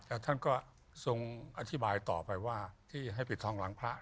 แต่ท่านก็ทรงอธิบายต่อไปว่าที่ให้ปิดทองหลังพระ